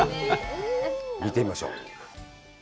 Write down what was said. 見てみましょう。